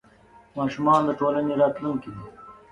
ماشومان د ټولنې راتلونکې دي.